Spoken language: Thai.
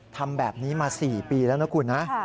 ทำแบบนี้มา๔ปีแล้วนะคุณนะ